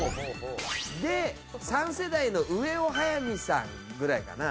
で３世代の上を速水さんぐらいかな。